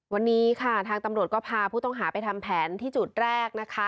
วันนี้ค่ะทางตำรวจก็พาผู้ต้องหาไปทำแผนที่จุดแรกนะคะ